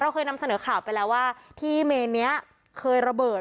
เคยนำเสนอข่าวไปแล้วว่าที่เมนนี้เคยระเบิด